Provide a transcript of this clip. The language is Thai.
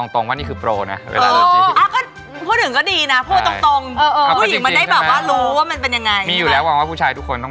ถือไม่ยอมรับนั่นเอง